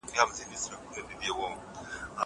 زه به اوږده موده ښوونځی ته تللی وم!